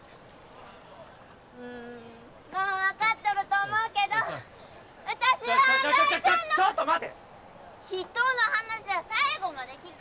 うんもう分かっとると思うけど私はちょちょちょちょっと待て人の話は最後まで聞く！